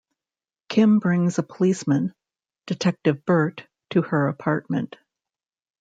Kim brings a policeman, Detective Burt, to her apartment.